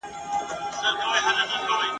په ژوندون مي نصیب نه سوې په هر خوب کي راسره یې ..